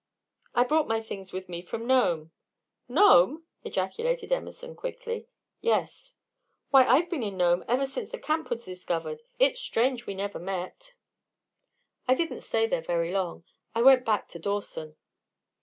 "I brought my things with me from Nome." "Nome!" ejaculated Emerson, quickly. "Yes." "Why, I've been in Nome ever since the camp was discovered. It's strange we never met." "I didn't stay there very long. I went back to Dawson."